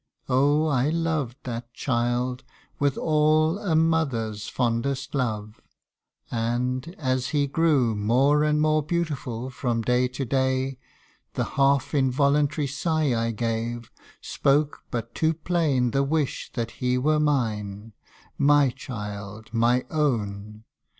Oh ! I loved that child with all A mother's fondest love ; and, as he grew More and more beautiful from day to day, The half involuntary sigh I gave Spoke but too plain the wish that he were mine My child my own.